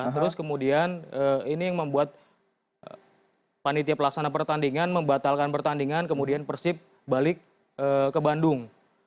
terus kemudian ini yang membuat panitia pelaksana pertandingan membatalkan pertandingan kemudian persib balik ke bandung